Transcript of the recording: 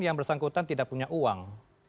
yang bersangkutan tidak punya uang